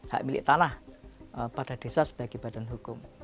hak milik tanah pada desa sebagai badan hukum